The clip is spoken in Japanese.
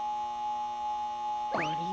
あれ？